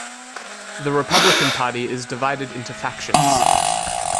The Republican Party is divided into factions.